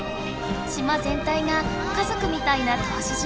島全体が家ぞくみたいな答志島。